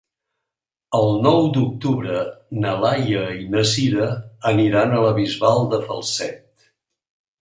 El nou d'octubre na Laia i na Sira aniran a la Bisbal de Falset.